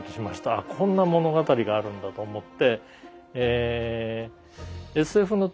あっこんな物語があるんだと思って。